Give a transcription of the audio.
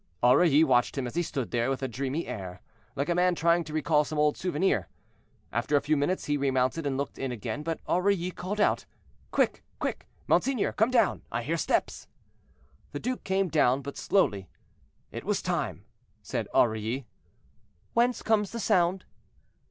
Aurilly watched him as he stood there, with a dreamy air, like a man trying to recall some old souvenir. After a few minutes he remounted and looked in again, but Aurilly called out, "Quick! quick! monseigneur, come down; I hear steps." The duke came down, but slowly. "It was time," said Aurilly. "Whence comes the sound?"